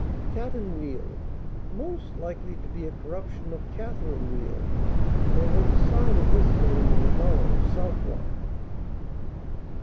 Cat and Wheel. Most likely to be a corruption of Catherine Wheel; there was a sign of this name in the Borough, Southwark.